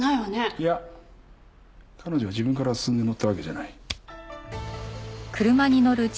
いや彼女は自分から進んで乗ったわけじゃない。